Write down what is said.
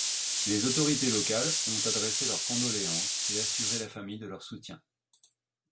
Les autorités locales ont adressé leurs condoléances et assuré la famille de leur soutien.